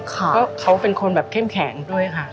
เพราะเขาเป็นคนแบบเข้มแข็งด้วยค่ะ